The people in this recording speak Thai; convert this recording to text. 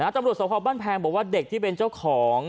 ตำรวจสภาพบ้านแพงบอกว่าเด็กที่เป็นเจ้าของ